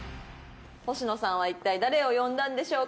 星野さんは一体誰を呼んだんでしょうか？